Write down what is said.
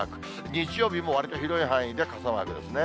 日曜日もわりと広い範囲で傘マークですね。